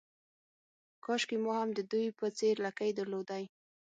کاشکې ما هم د دوی په څېر لکۍ درلودای.